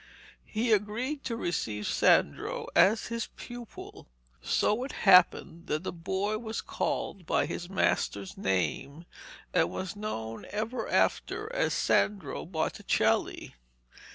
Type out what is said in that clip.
He agreed to receive Sandro as his pupil, so it happened that the boy was called by his master's name, and was known ever after as Sandro Botticelli.